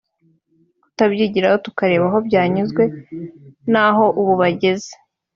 tukabyigiraho tukareba aho byanyuze naho ubu bageze